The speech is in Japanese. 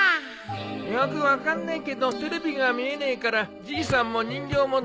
よく分かんねえけどテレビが見えねえからじいさんも人形もどいてくれ。